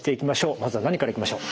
まずは何からいきましょう？